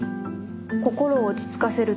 心を落ち着かせるために？